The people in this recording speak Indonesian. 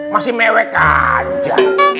masih mewek aja